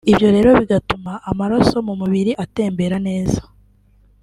ibyo rero bigatuma amaraso mu mubiri atembera neza